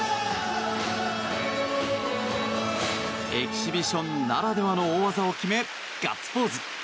エキシビションならではの大技を決め、ガッツポーズ。